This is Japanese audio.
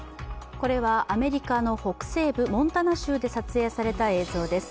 これはアメリカの北西部モンタナ州で撮影された映像です。